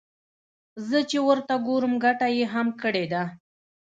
زه چې ورته ګورم ګټه يې هم کړې ده.